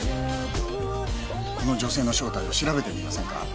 この女性の正体を調べてみませんか。